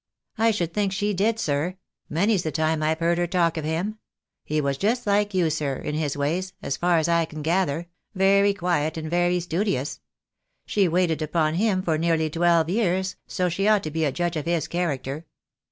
"I should think she did, sir. Many's the time I've heard her talk of him. He was just like you, sir, in his ways, as far as I can gather — very quiet and very studious. She waited upon him for nearly twelve years, so she ought to be a judge of his character."